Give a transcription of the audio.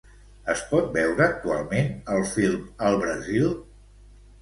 Es pot veure actualment el film al Brasil?